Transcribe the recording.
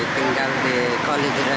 tinggal di kuala lumpur